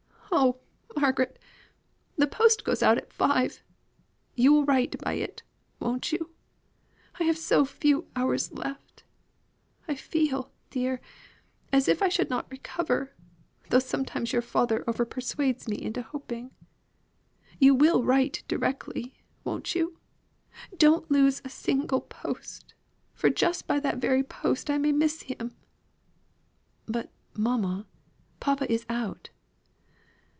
Oh, Margaret! the post goes out at five you will write by it, won't you? I have so few hours left I feel dear, as if I should not recover, though sometimes your father over persuades me into hoping; you will write directly, won't you? Don't lose a single post; for just by that very post I may miss him." "But, mamma, papa is out."